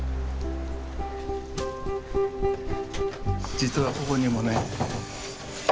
実はここにもね。